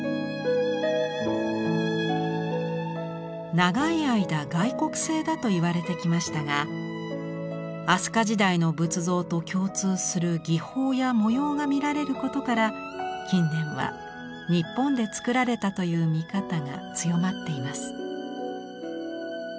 長い間外国製だといわれてきましたが飛鳥時代の仏像と共通する技法や模様が見られることから近年は日本で作られたという見方が強まっています。